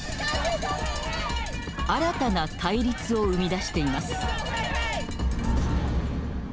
新たな対立を生みだしています。